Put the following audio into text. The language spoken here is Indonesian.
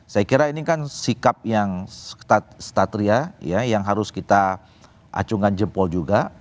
saya kira ini kan sikap yang satria yang harus kita acungan jempol juga